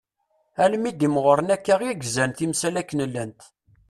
Almi i d-mɣuren akka i gzan timsal akken llant.